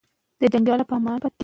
د ماشوم د غوږ درد ته ژر پام وکړئ.